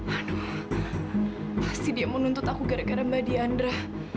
aduh pasti dia menuntut aku gara gara mbak diandra